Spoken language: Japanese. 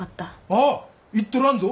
ああ言っとらんぞ。